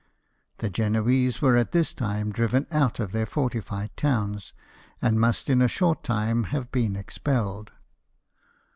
The Genoese were at this time driven out of their fortified towns, and must in a short time have been expelled.